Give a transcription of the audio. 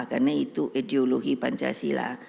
karena itu ideologi pancasila